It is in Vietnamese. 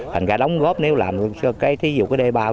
thành ra đóng góp nếu làm cái thí dụ cái đê bao